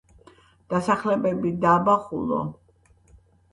დასახლებები: დაბა ხულო.